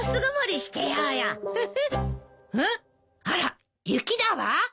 あら雪だわ。